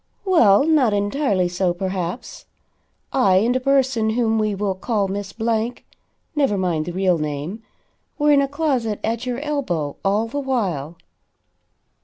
"Well, not entirely so, perhaps. I and a person whom we will call Miss Blank (never mind the real name,) were in a closet at your elbow all the while."